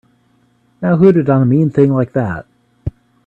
Now who'da done a mean thing like that?